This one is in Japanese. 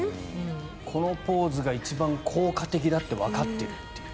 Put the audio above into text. このポーズが一番効果的だってわかっているという。